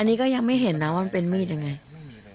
อันนี้ก็ยังไม่เห็นนะว่ามันเป็นมีดยังไง